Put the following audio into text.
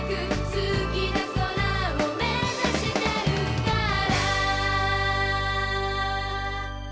「好きな空を、めざしてるから」